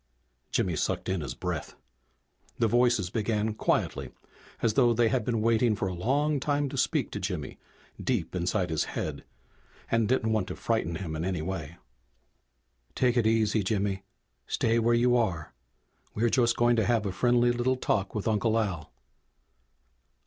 Jimmy sucked in his breath. The voices began quietly, as though they had been waiting for a long time to speak to Jimmy deep inside his head, and didn't want to frighten him in any way. "Take it easy, Jimmy! Stay where you are. We're just going to have a friendly little talk with Uncle Al."